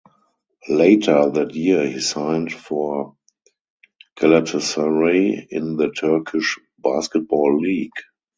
Later that year he signed for Galatasaray in the Turkish Basketball League.